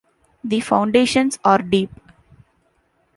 The foundations are deep.